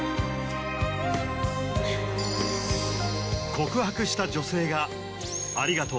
告白した女性が「ありがとう」